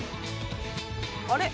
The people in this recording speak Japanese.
あれ？